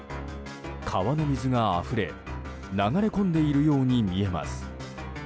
川の水があふれ流れ込んでいるように見えます。